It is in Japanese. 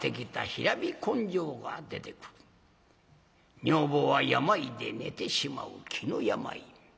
女房は病で寝てしまう気の病。